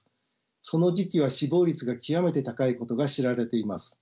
その時期は死亡率が極めて高いことが知られています。